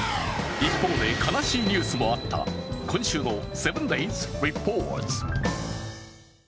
一方で悲しいニュースもあった今週の「７ｄａｙｓＲｅｐｏｒｔｓ」。